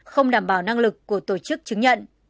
không đảm bảo năng lực của tổ chức chứng nhận